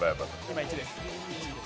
今、１です。